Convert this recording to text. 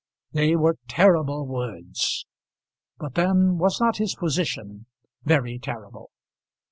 They were terrible words; but then was not his position very terrible?